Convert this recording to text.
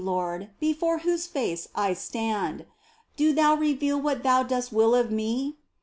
Lord, before Whose face I stand ! Do Thou reveal what Thou dost will of me